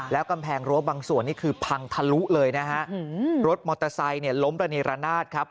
แล้วกำแพงรั้วบางส่วนนี่คือพังทะลุเลยนะฮะรถมอเตอร์ไซค์เนี่ยล้มระเนรนาศครับ